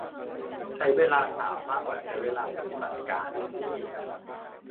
ใช้เวลาถามมากกว่าใช้เวลาปฏิบัติการนะเนี่ย